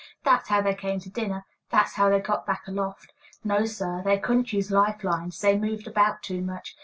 That's how they came to dinner; that's how they got back aloft. No, sir; they couldn't use life lines; they moved about too much.